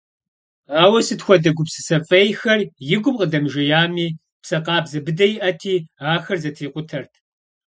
Ауэ сыт хуэдэ гупсысэ фӏейхэр и гум къыдэмыжеями, псэ къабзэ быдэ иӏэти, ахэр зэтрикъутэрт.